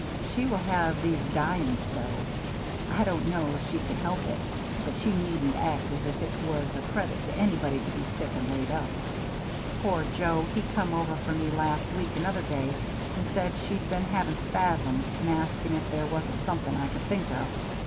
She will have these dyin' spells. I don't know's she can help it, but she needn't act as if it was a credit to anybody to be sick and laid up. Poor Joe, he come over for me last week another day, and said she'd been havin' spasms, and asked me if there wa'n't something I could think of.